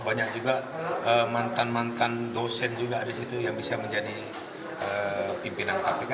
banyak juga mantan mantan dosen juga di situ yang bisa menjadi pimpinan kpk